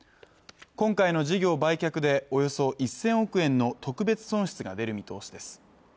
今回の事業売却でおよそ１０００億円の特別損失が出る見通しです